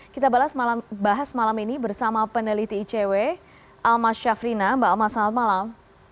kita bahas malam ini bersama peneliti icw almas syafrina mbak almas selamat malam